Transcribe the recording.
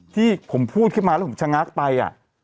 ที่ผมพูดขึ้นมาแล้วผมชะงักไป